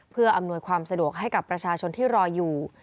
เพื่ออำนวยความสะดวกให้กับประชาชนที่รออยู่